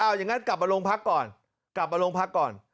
อย่างนั้นกลับมาโรงพักก่อนกลับมาโรงพักก่อน